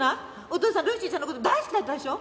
お父さんルーシーちゃんの事大好きだったでしょ。